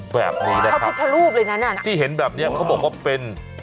แบบนี้แล้วครับเขาผิดทะลูบเลยนะที่เห็นแบบเนี้ยเขาบอกว่าเป็น